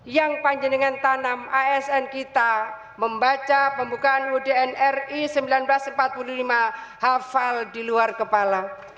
yang panjenengan tanam asn kita membaca pembukaan udn ri seribu sembilan ratus empat puluh lima hafal di luar kepala